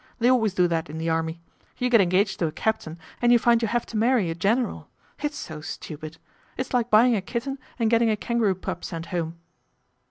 They always do that in the Army. You get engaged to a captain and you find you have to marry a general. It's so stupid. It's like buying a kitten and getting a kangaroo pup sent home."